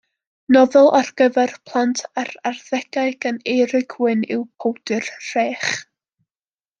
Nofel ar gyfer plant a'r arddegau gan Eirug Wyn yw Powdwr Rhech!